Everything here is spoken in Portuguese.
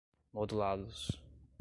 modulados